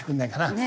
ねえ！